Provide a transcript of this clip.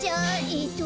えっと